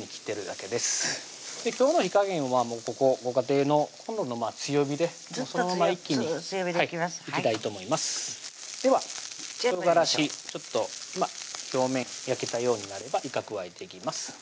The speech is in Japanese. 今日の火加減はここご家庭のコンロの強火でそのまま一気にずっと強火でいきますでは唐辛子ちょっと表面焼けたようになればいか加えていきます